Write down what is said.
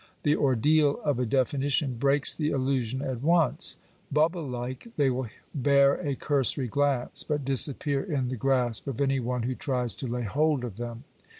The ordeal of a definition breaks the illusion at once. Bubble like, they will bear a cursory glance ; but dis appear in the grasp of any one who tries to lay hold of them.